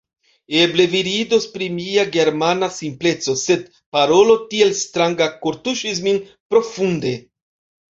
Eble vi ridos pri mia Germana simpleco; sed parolo tiel stranga kortuŝis min profunde.